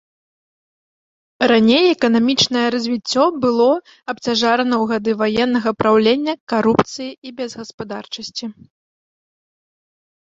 Раней эканамічнае развіццё было абцяжарана ў гады ваеннага праўлення, карупцыі і безгаспадарчасці.